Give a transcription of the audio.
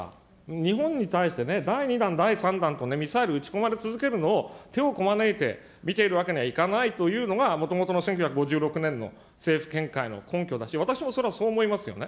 日本に対してね、第２弾、第３弾とミサイル撃ち込まれ続けるのを手をこまねいて見ているわけにはいかないというのが、もともとの１９５６年の政府見解の根拠だし、私もそれはそう思いますよね。